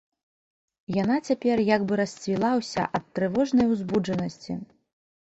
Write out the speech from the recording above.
Яна цяпер як бы расцвіла ўся ад трывожнай узбуджанасці.